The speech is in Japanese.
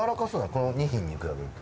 この２品に比べると。